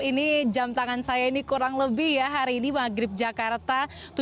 ini jam tangan saya ini kurang lebih ya hari ini maghrib jakarta tujuh belas lima puluh dua